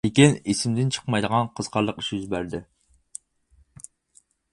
لېكىن، ئېسىمدىن چىقمايدىغان قىزىقارلىق ئىش يۈز بەردى.